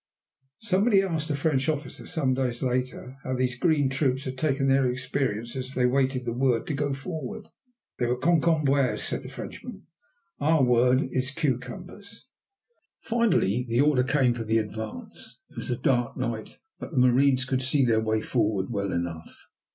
Somebody asked a French officer some days later how these green troops had taken their experience as they waited the word to go forward. "They were concombres," said the Frenchman. Our word is cucumbers. Finally, the order came for the advance. It was a dark night, but the marines could see their way forward well enough.